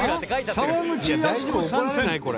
沢口靖子参戦！